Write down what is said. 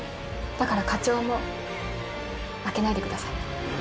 だから課長も負けないでください。